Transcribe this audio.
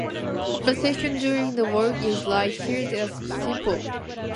Conversation during the walk is light-hearted and simple.